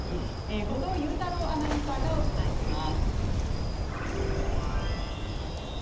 後藤佑太郎アナウンサーがお伝えします。